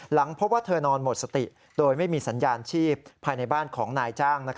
พบว่าเธอนอนหมดสติโดยไม่มีสัญญาณชีพภายในบ้านของนายจ้าง